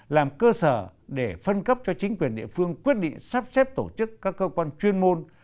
làm cơ sở để phân cấp cho chính quyền địa phương quyết định sắp xếp tổ chức các cơ quan chuyên môn